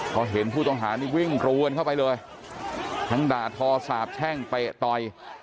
พอเห็นผู้ต้องหานี่วิ่งรัวกันเข้าไปเลยทั้งด่าทอสาบแช่งเตะต่อย